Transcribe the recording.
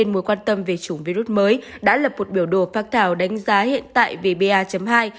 mối quan tâm về chủng virus mới đã lập một biểu đồ phát thảo đánh giá hiện tại về ba hai